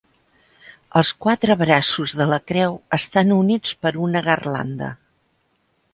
Els quatre braços de la creu estan units per una garlanda.